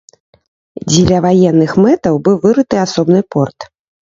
Дзеля ваенных мэтаў быў вырыты асобны порт.